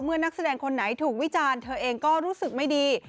นักแสดงคนไหนถูกวิจารณ์เธอเองก็รู้สึกไม่ดี